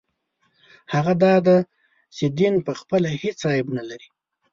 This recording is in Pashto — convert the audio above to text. هغه دا دی چې دین پخپله هېڅ عیب نه لري.